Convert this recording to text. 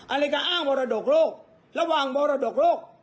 อันตรายการอ้างเมาส์ระดกโลกระหว่างเมาส์ระดกโลก